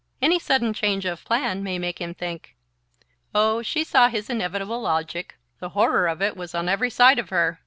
"Any sudden change of plan may make him think..." Oh, she saw his inevitable logic: the horror of it was on every side of her!